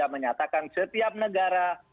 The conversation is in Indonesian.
menyatakan setiap negara